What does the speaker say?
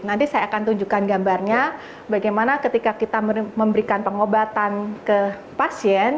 nanti saya akan tunjukkan gambarnya bagaimana ketika kita memberikan pengobatan ke pasien